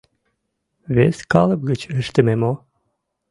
Вес калып гыч ыштыме мо?